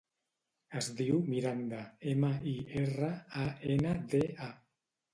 Es diu Miranda: ema, i, erra, a, ena, de, a.